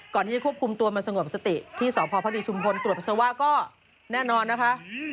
ก่อนนี้ควบคุมตัวมาสงบสติที่สหพพฤติชุมพลตรวจภาษาว่าก็แน่นอนนะคะ